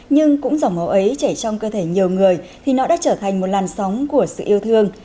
nhưng cũng dòng máu ấy chảy trong cơ thể nhiều người thì nó đã trở thành một làn sóng của sự yêu thương